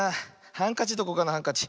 ハンカチどこかなハンカチ。